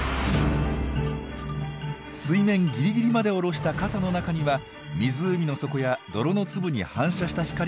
水面ギリギリまで下ろした傘の中には湖の底や泥の粒に反射した光しか入ってきません。